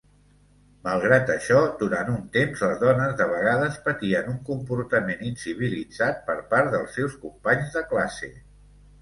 Malgrat això, durant un temps, les dones de vegades patien un comportament incivilitzat per part dels seus companys de classe.